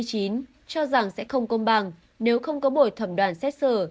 cho rằng sẽ không công bằng nếu không có buổi thẩm đoàn xét xử